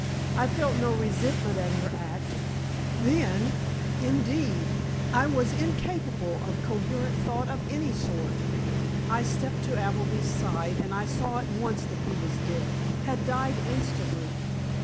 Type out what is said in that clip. I felt no resentment at her act, then—indeed, I was incapable of coherent thought of any sort. I stepped to Appleby's side, and I saw at once that he was dead—had died instantly.